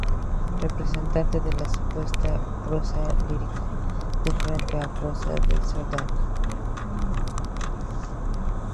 Representante de la supuesta "prosa lírica del frente" o "prosa de soldados".